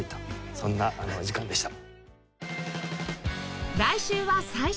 そんな時間でした。